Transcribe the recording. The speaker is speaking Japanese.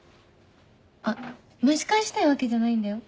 あっ蒸し返したいわけじゃないんだよ。